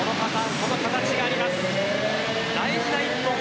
この形があります。